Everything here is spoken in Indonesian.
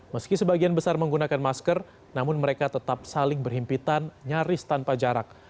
meski sebagian besar menggunakan masker namun mereka tetap saling berhimpitan nyaris tanpa jarak